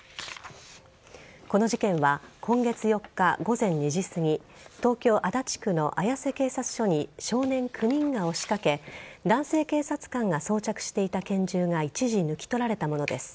この事件は今月４日午前２時すぎ東京・足立区の綾瀬警察署に少年９人が押しかけ男性警察官が装着していた拳銃が一時、抜き取られたものです。